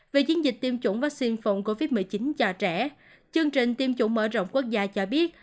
về chiến dịch tiêm chủng vaccine phòng covid một mươi chín cho trẻ chương trình tiêm chủng mở rộng quốc gia cho biết